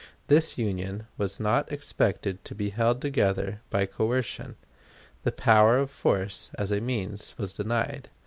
This Union was not expected to be held together by coercion; the power of force as a means was denied.